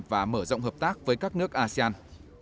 và mở rộng hợp tác với các nước asean